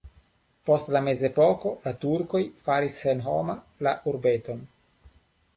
Post la mezepoko la turkoj faris senhoma la urbeton.